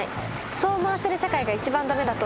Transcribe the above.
そう思わせる社会が一番駄目だと思います。